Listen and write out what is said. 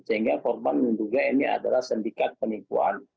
sehingga korban menduga ini adalah sendikat penipuan